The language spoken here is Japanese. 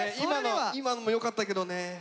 今のもよかったけどね。